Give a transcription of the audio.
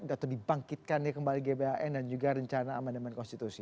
atau dibangkitkan kembali gbhn dan juga rencana amandaman konstitusi